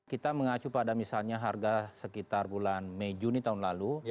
kita mengacu pada misalnya harga sekitar bulan mei juni tahun lalu